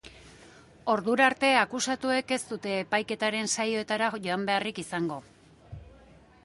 Ordura arte, akusatuek ez dute epaiketaren saioetara joan beharrik izango.